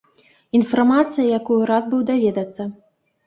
Інфармацыя, якую рад быў даведацца.